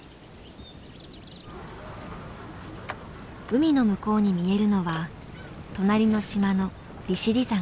海の向こうに見えるのは隣の島の利尻山。